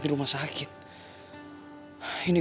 terus gimana om